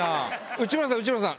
内村さん内村さん。